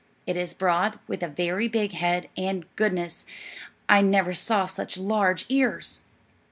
It is broad, with a very big head, and, goodness, I never saw such large ears!"